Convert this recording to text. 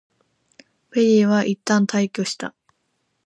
ペリーはいったん退去した。